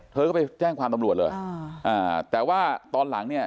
เธอก็ไปแจ้งความตำรวจเลยอ่าอ่าแต่ว่าตอนหลังเนี่ย